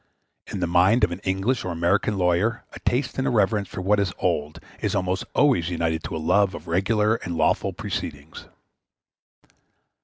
In the mind of an English or American lawyer a taste and a reverence for what is old is almost always united to a love of regular and lawful proceedings.